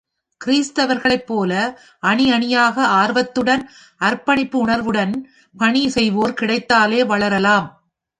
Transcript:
கிறிஸ்தவர்களைப் போல அணி அணி யாக ஆர்வத்துடன் அர்ப்பணிப்பு உணர்வுடன் பணி செய்வோர் கிடைத்தாலே வளரலாம்.